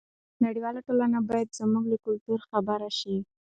نړیواله ټولنه باید زموږ له کلتور خبره شي.